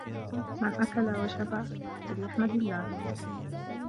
من أكل وشبع، فليحمد الله.